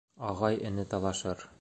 Ағай-эне талашыр